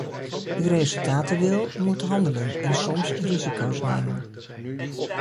Wie resultaten wil, moet handelen en soms risico's nemen.